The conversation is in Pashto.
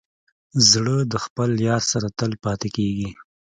زړه د خپل یار سره تل پاتې کېږي.